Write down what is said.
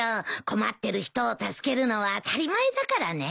困ってる人を助けるのは当たり前だからね。